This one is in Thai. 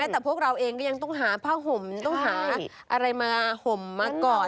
แต่พวกเราเองก็ยังต้องหาผ้าห่มต้องหาอะไรมาห่มมาก่อน